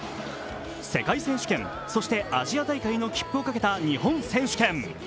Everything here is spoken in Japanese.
世界選手権、そしてアジア大会の切符をかけた日本選手権。